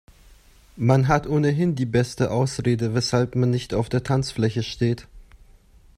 Man hat ohnehin die beste Ausrede, weshalb man nicht auf der Tanzfläche steht.